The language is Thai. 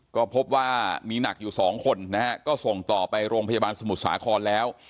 ก็พบว่ามีหนักอยู่สองคนนะฮะก็ส่งต่อไปโรงพยาบาลสมุทรสาครแล้ว